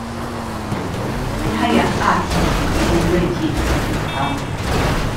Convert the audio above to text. Fil-ħajja, qatt mhu għaqli li wieħed jidħol fi sqaq.